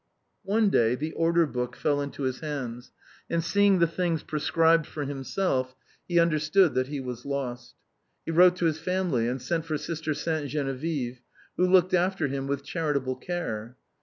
One day the order book fell into his hands, and seeing the things prescribed for himself, he understood that he was lost. He wrote to his family, and sent for Sister Sainte Geneviève, who looked after him with charitable care.